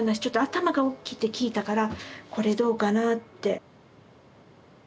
ちょっと頭がおっきいって聞いたから「これどうかな？」って。